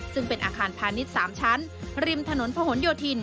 ซึ่งเป็นอาคารพาณิชย์๓ชั้นริมถนนพะหนโยธิน